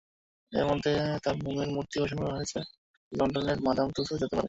এরই মধ্যে তাঁর মোমের মূর্তি বসানো হয়েছে লন্ডনের মাদাম তুসোর জাদুঘরে।